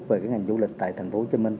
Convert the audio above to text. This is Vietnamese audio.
về ngành du lịch tại thành phố hồ chí minh